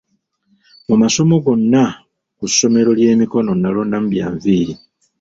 Mu masomo gonna ku ssomero ly'emikono, nalonda bya nviiri.